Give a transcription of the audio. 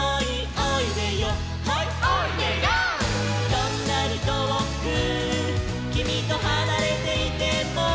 「どんなにとおくきみとはなれていても」